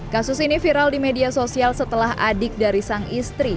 kasus ini viral di media sosial setelah adik dari sang istri